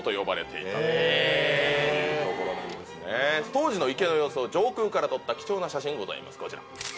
当時の池の様子を上空から撮った貴重な写真ございます。